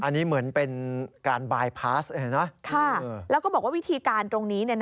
อันนี้เหมือนเป็นการบายพาสเลยนะแล้วก็บอกว่าวิธีการตรงนี้